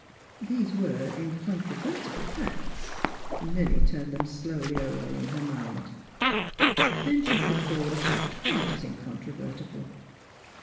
'' These were incontrovertible facts. Milly turned them over slowly in her mind. Then she put for ward a fact quite as incontrovertible.